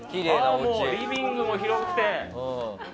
リビングも広くて。